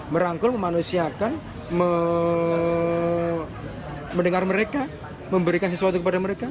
merangkul memanusiakan mendengar mereka memberikan sesuatu kepada mereka